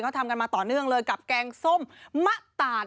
เขาทำกันมาต่อเนื่องเลยกับแกงส้มมะตาด